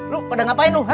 lu pada ngapain lu